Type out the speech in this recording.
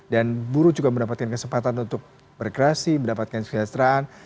dan buru juga mendapatkan kesempatan untuk berkreasi mendapatkan sukses terang